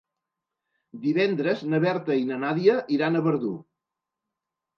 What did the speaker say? Divendres na Berta i na Nàdia iran a Verdú.